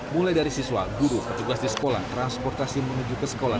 mulai dari siswa guru petugas di sekolah transportasi menuju ke sekolah